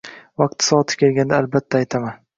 Vaqti-soati kelganda albatta aytaman.